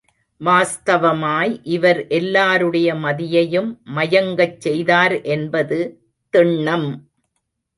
வாஸ்தவமாய் இவர் எல்லாருடைய மதியையும் மயங்கச் செய்தார் என்பது திண்ணம்!